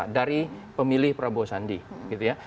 dari pemilih prabowo sandi